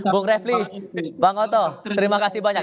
bung refli bang oto terima kasih banyak